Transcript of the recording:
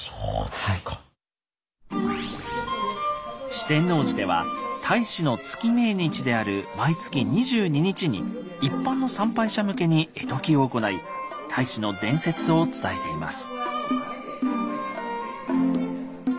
四天王寺では太子の月命日である毎月２２日に一般の参拝者向けに絵解きを行い太子の伝説を伝えています。